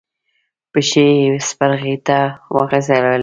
پښې يې سپرغې ته وغزولې.